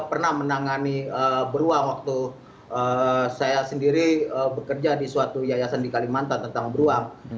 karena menangani beruang waktu saya sendiri bekerja di suatu yayasan di kalimantan tentang beruang